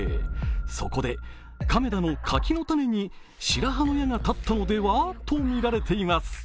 そこで亀田の柿の種に白羽の矢が立ったのではとみられています。